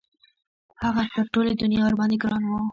هغه تر ټولې دنیا ورباندې ګران وو.